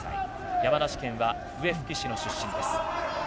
山梨県は笛吹市の出身です。